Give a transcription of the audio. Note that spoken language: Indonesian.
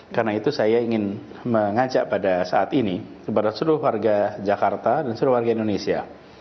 karena itu saya ingin mengajak pada saat ini kepada seluruh warga jakarta dan seluruh warga indonesia